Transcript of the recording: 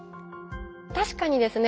確かにですね